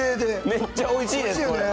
めっちゃおいしいです、これ。